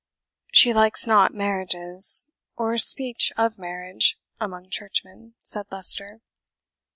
"She likes not marriages, or speech of marriage, among churchmen," said Leicester.